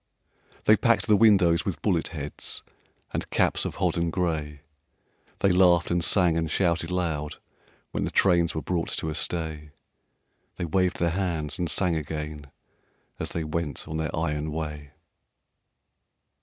They packed the windows with bullet heads And caps of hodden gray; They laughed and sang and shouted loud When the trains were brought to a stay; They waved their hands and sang again As they went on their iron way.